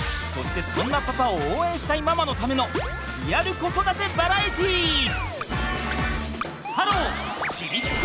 そしてそんなパパを応援したいママのためのリアル子育てバラエティー！